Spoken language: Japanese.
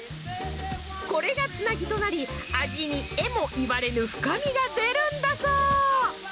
これがつなぎとなり味にえもいわれぬ深みが出るんだそう。